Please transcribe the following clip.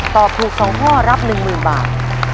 ตอบถูก๒ข้อรับ๑๐๐๐บาท